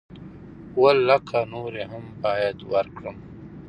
اووه لکه نورې هم بايد ورکړم.